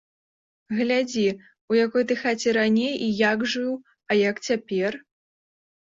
Глядзі, у якой ты хаце раней і як жыў, а як цяпер!